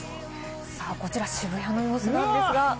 こちら渋谷の様子なんですが。